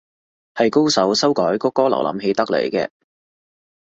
係高手修改谷歌瀏覽器得嚟嘅